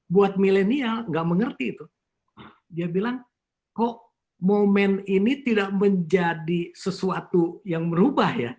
buat milenial nggak mengerti itu dia bilang kok momen ini tidak menjadi sesuatu yang berubah ya